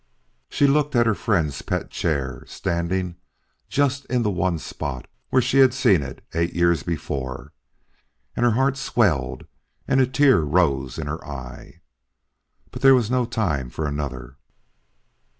She looked at her friend's pet chair standing just in the one spot where she had seen it eight years before, and her heart swelled, and a tear rose in her eye. But there was not time for another.